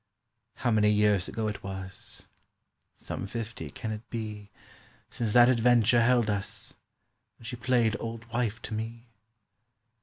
How many years ago it was! Some fifty can it be Since that adventure held us, and she played old wife to me?